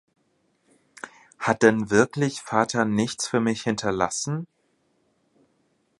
Hat denn wirklich Vater nichts für mich hinterlassen?